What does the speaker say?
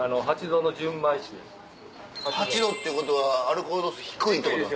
８度っていうことはアルコール度数低いってこと。